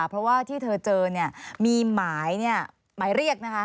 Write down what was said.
เพราะว่าที่เธอเจอมีหมายเรียกนะคะ